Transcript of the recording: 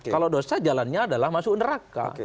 kalau dosa jalannya adalah masuk neraka